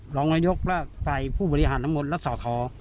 หลังนายกและฝ่ายผู้บริหารทั้งหมดและสถ